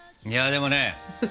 いやでもね